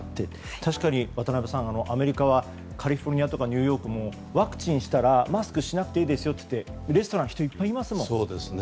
確かに渡辺さんアメリカはカリフォルニアとかニューヨークもワクチンをしたらマスクをしなくていいですよとレストランに人いっぱいいますもんね。